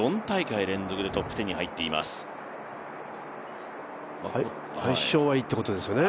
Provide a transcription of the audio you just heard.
４大会連続でトップ１０に入っています。